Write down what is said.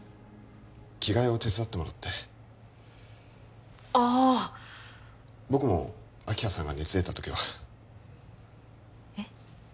着替えを手伝ってもらってああ僕も明葉さんが熱出た時はえっ？